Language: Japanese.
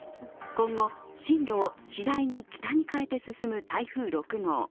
今後、進路を次第に北に変えて進む台風６号。